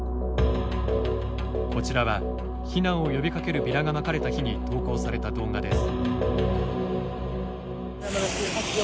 こちらは避難を呼びかけるビラがまかれた日に投稿された動画です。